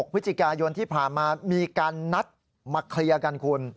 พฤศจิกายนที่ผ่านมามีการนัดมาเคลียร์กันคุณ